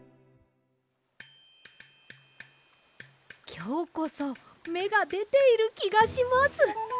きょうこそめがでているきがします。